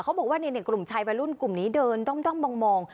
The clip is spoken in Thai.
เขาบอกว่ากลุ่มชายวัยรุ่นกลุ่มนี้เดินด้อมมอง